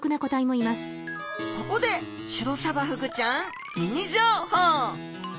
ここでシロサバフグちゃんミニ情報。